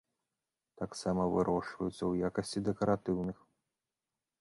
Таксама вырошчваюцца ў якасці дэкаратыўных.